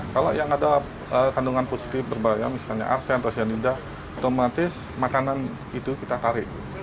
kalau yang ada kandungan positif berbahaya misalnya arsen atau cyanida otomatis makanan itu kita tarik